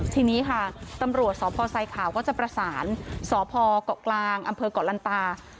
ทีนี้ค่ะตำรวจสพไซขาวก็จะประสานสพเกาะกลางอำเภอกเกาะลันตา